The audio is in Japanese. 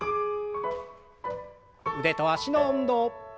腕と脚の運動。